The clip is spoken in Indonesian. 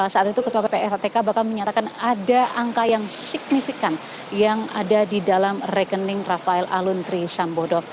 saat itu ketua ppatk bahkan menyatakan ada angka yang signifikan yang ada di dalam rekening rafael aluntri sambodo